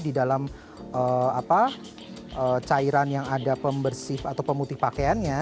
di dalam cairan yang ada pembersih atau pemutih pakaiannya